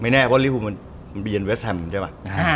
ไม่แน่ว่าลีฟูลมันเป็นเวสแฮมเนี่ยใช่มั้ย